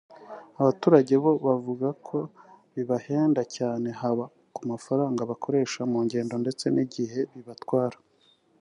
Abaturage bo bavuga ko bibahenda cyane haba ku mafaranga bakoresha mu ngendo ndetse n’igihe bibatwara